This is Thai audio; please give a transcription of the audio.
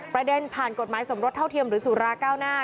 ประเด็นผ่านกฎหมายสมรสเท่าเทียมหรือสุราเก้าหน้า